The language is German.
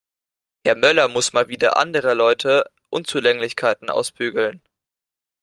Herr Möller muss mal wieder anderer Leute Unzulänglichkeiten ausbügeln.